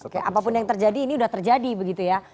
oke apapun yang terjadi ini sudah terjadi begitu ya